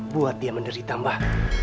buat dia menderita mbah